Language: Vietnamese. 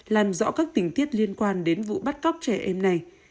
làm rõ các tình tiết liên quan đến vụ bắt cóc trẻ em này